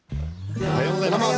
おはようございます。